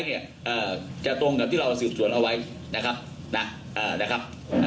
เอ่อจะตรงกับที่เราสืบสวนเอาไว้นะครับนะเอ่อนะครับเอ่อ